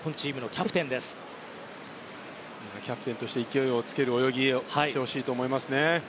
キャプテンとして勢いをつける泳ぎをしてきてほしいと思いますね。